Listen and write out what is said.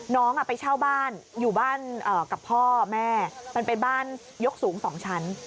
น้องไปเช่าบ้านอยู่บ้านกับพ่อแม่มันเป็นบ้านยกสูง๒ชั้น